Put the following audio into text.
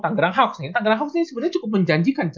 tangerang hawks ini sebenernya cukup menjanjikan